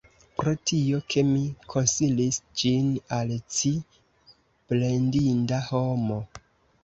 Pro tio, ke mi konsilis ĝin al ci, plendinda homo!